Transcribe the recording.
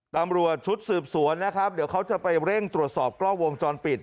ตำรวจชุดสืบสวนนะครับเดี๋ยวเขาจะไปเร่งตรวจสอบกล้องวงจรปิด